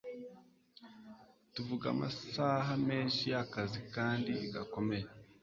tuvuga amasaha menshi y'akazi kandi gakomeye